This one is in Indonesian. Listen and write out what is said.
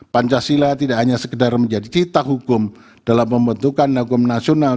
pancasila tidak hanya sekedar menjadi cita hukum dalam pembentukan hukum nasional